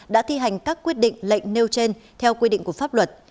đã thi hành các quyết định lệnh nêu trên theo quy định của pháp luật